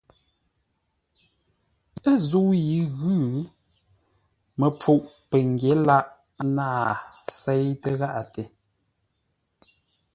Ə̂ zə̂u yi ə́ ghʉ̌, məpfuʼ pəngyě lâʼ nâa séitə́ gháʼate.